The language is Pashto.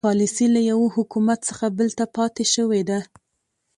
پالیسي له یوه حکومت څخه بل ته پاتې شوې ده.